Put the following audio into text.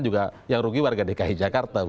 juga yang rugi warga dki jakarta